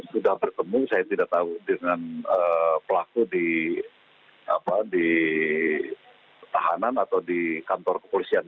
sudah bertemu saya tidak tahu dengan pelaku di tahanan atau di kantor kepolisian